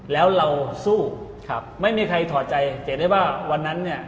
แล้วเราสู้ครับไม่มีใครถอดใจจะเห็นได้ว่าวันนั้นเนี่ย